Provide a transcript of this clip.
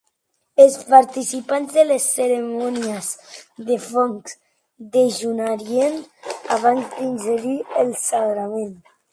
Els participants de les cerimònies de fongs dejunarien abans d'ingerir el sagrament.